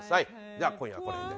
では今夜はこの辺で。